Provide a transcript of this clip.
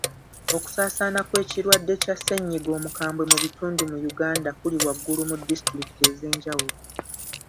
Okusaasaana kw'ekirwadde kya ssennyiga omukambwe mu bitundu mu Uganda kuli waggulu mu disitulikiti ez'enjawulo.